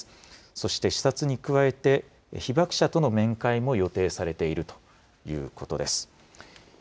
そして視察に加えて、被爆者との面会も予定されているということです。